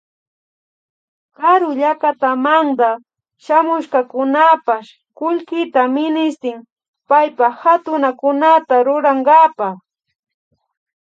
Karu llakatamanta shamushkakunapash kullkita ministin paypa hatunakunata rurankapak